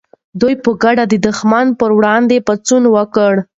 دوی په ګډه د دښمن پر وړاندې پاڅون وکړ.